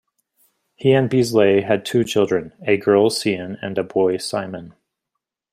He and Beazleigh had two children, a girl Sian and a boy Simon.